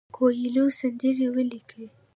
کویلیو سندرې ولیکلې.